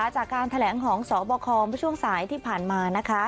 จากการแถลงของสบภศที่ผ่านมา